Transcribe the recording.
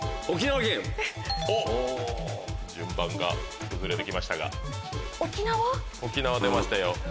沖縄出ました。